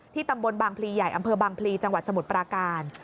ตำบลบางพลีใหญ่อำเภอบางพลีจังหวัดสมุทรปราการ